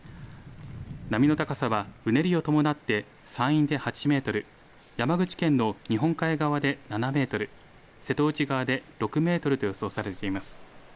波の高さはうねりを伴って山陰で８メートル、山口県の日本海側で７メートル、瀬戸内側で６メートルと予想されています。